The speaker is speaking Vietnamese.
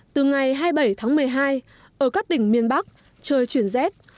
từ ngày hai mươi bảy tháng một mươi hai ở các tỉnh miền bắc trời chuyển rét